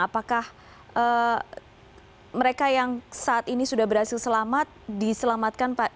apakah mereka yang saat ini sudah berhasil selamat diselamatkan pak